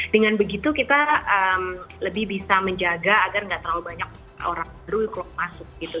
dengan begitu kita lebih bisa menjaga agar nggak terlalu banyak orang baru keluar masuk gitu